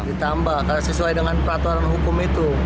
ditambah karena sesuai dengan peraturan hukum itu